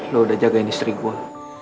lu udah jagain istri gua